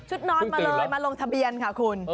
นอนมาเลยมาลงทะเบียนค่ะคุณ